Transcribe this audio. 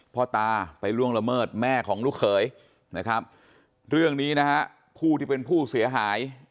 พ่อตาไปล่วงละเมิดแม่ของลูกเขยนะครับเรื่องนี้นะฮะผู้ที่เป็นผู้เสียหาย